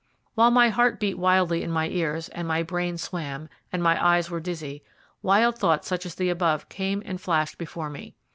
While my heart beat wildly in my ears, and my brain swam, and my eyes were dizzy, wild thoughts such as the above came and flashed before me.